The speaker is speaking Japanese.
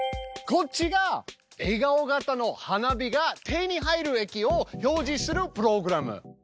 こっちが笑顔形の花火が手に入る駅を表示するプログラム。